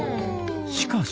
しかし。